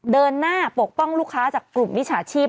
เดินหน้าปกป้องลูกค้าจากกลุ่มมิจฉาชีพ